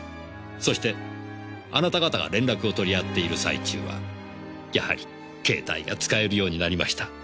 そしてあなた方が連絡を取り合っている最中はやはり携帯が使えるようになりました。